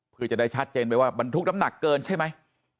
เพื่อจะได้ชัดเจนไปว่าบรรทุกน้ำหนักเกินใช่ไหม